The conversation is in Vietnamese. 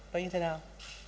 nó như thế nào